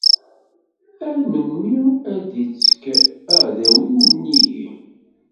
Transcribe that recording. Ar melmi ara d-ittekk uɛdaw-iw nnig-i?